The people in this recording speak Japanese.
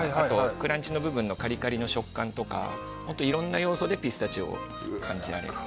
クランチの部分のカリカリの食感とかいろんな要素でピスタチオを感じられる。